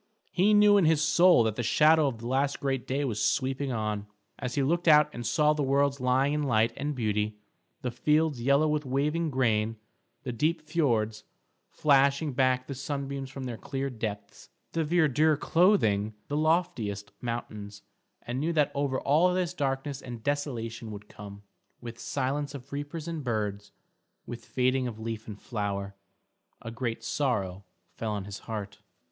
He knew in his soul that the shadow of the last great day was sweeping on; as he looked out and saw the worlds lying in light and beauty, the fields yellow with waving grain, the deep fiords flashing back the sunbeams from their clear depths, the verdure clothing the loftiest mountains, and knew that over all this darkness and desolation would come, with silence of reapers and birds, with fading of leaf and flower, a great sorrow fell on his heart.